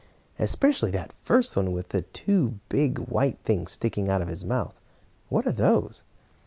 Especially that first one, with the two big, white things sticking out of his mouth. What are those?"